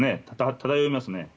漂いますね。